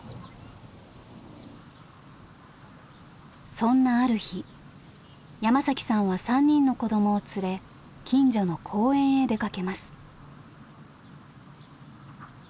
そんなある日山さんは３人の子どもを連れ近所の公園へ出かけます。